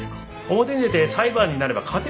表に出て裁判になれば勝てないもん。